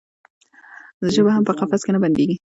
ژبه هم په قفس کې نه بندیږي.